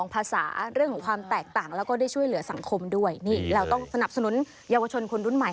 และก็ได้ช่วยเหลือสังคมด้วยเราต้องสนับสนุนเยาวชนคนรุ่นใหม่